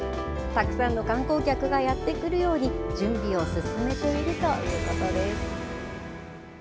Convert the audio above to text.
たくさんの観光客がやって来るように、準備を進めているということです。